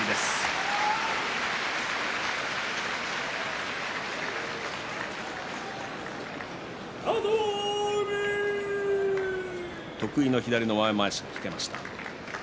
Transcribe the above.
拍手得意の左の前まわしを引くことができました。